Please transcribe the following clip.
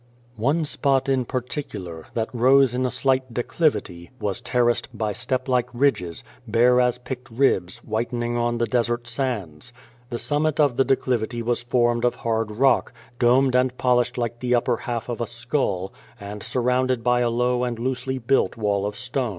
One spot in particular, that rose in a slight declivity, was terraced by step like ridges, bare as picked ribs, whitening on the desert sands. The summit of the declivity was formed of hard rock, domed and polished like the upper half of a skull, and surrounded by a low and loosely built wall of stone.